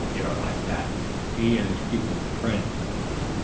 Nero liked that, for he and his keeper were friends.